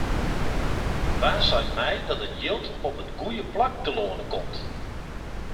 Wa seit my dat it jild op it goede plak telâne komt?